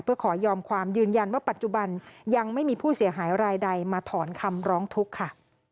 เพื่อขอยอมความยืนยันว่าปัจจุบันยังไม่มีผู้เสียหายรายใดมาถอนคำร้องทุกข์ค่ะ